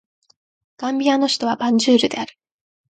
ガンビアの首都はバンジュールである